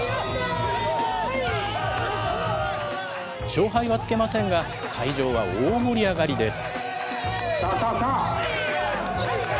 勝敗はつけませんが、会場は大盛り上がりです。